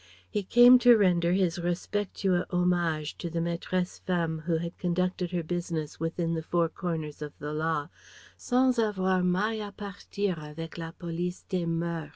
He came to render his respectueux hommages to the maîtresse femme who had conducted her business within the four corners of the law, "sans avoir maille à partir avec la police des moeurs."